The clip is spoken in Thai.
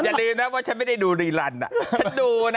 อย่าลืมนะว่าฉันไม่ได้ดูรีลันฉันดูนะ